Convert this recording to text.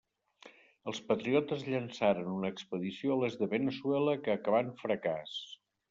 Els patriotes llançaren una expedició a l'est de Veneçuela que acabà en fracàs.